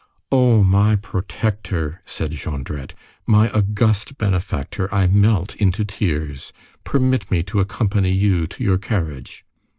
"O my protector!" said Jondrette, "my august benefactor, I melt into tears! Permit me to accompany you to your carriage."